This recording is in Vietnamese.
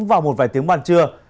vào một vài tiếng bàn trưa